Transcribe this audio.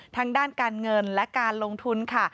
ทั้งด้านการเงินและการลงทุนค่ะ